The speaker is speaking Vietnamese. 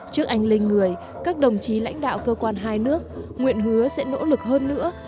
trước anh linh người các đồng chí lãnh đạo cơ quan hai nước nguyện hứa sẽ nỗ lực hơn nữa